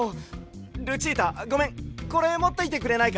ルチータごめんこれもっていてくれないか？